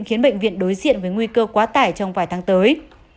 khiến bệnh viện đối diện với nguy cơ quá tải trong vài tháng tới